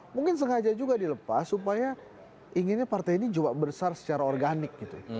mungkin sengaja juga dilepas supaya inginnya partai ini juga besar secara organik gitu